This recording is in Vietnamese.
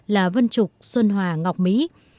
là vân trục xuân hòa ngọc mỹ